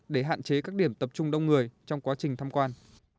để hạn chế các điểm tập trung đông người trong quá trình thăm quan